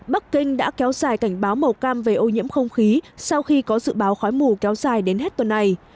bắc kinh đã kéo dài cảnh báo màu cam về ô nhiễm không khí sau khi có dự báo khói mù kéo dài đến hết tuần này